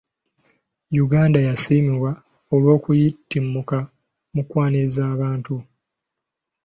Uganda yasiimibwa olw'okuyitimuka mu kwaniriza abantu.